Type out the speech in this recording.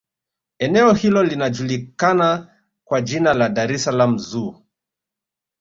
eneo hilo linajukikana kwa jina la dar es salaam zoo